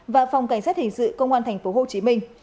và phòng cảnh sát hình sự công an thành phố hồ chí minh